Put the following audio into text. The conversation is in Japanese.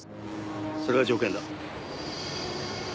それが条件だ。